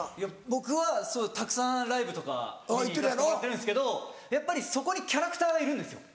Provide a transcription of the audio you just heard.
僕はたくさんライブとか見に行かせてもらってるんですけどやっぱりそこにキャラクターがいるんですよ